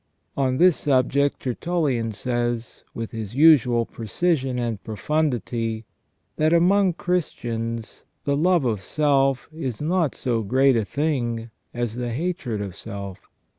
On this subject Tertullian says, with his usual precision and profundity, that among Christians the love of self is not so great a thing as the hatred of self.